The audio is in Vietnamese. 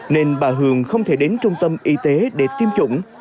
nên bà hường không thể đến trung tâm y tế để tiêm chủng